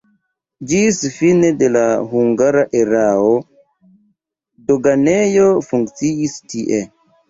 Ĝis fine de la hungara erao doganejo funkciis tie.